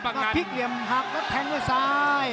อย่างกับพริกเหลี่ยมหักและแทงด้วยซ้าย